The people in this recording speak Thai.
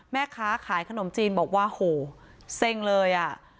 แม่ค้าขายขนมจีนบอกว่าโหเซ็งเลยอ่ะ